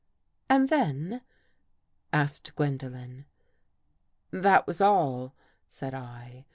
"And then?" asked Gwendolen. " That was all," said I.